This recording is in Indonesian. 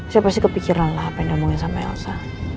saya pasti kepikiran lah apa yang diomongin sama elsa